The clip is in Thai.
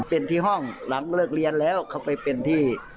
เป็นที่ห้องหลังเลิกเรียนแล้วเขาไปเป็นที่